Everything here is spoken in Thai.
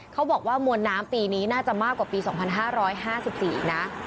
เขาบอกว่ามวลน้ำปีนี้น่าจะมากกว่าปี๒๕๕๔อีกนะ